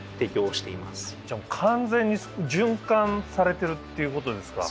じゃあ完全に循環されてるっていうことですか。